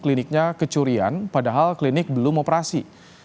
klinik ini kecurian padahal klinik belum operasi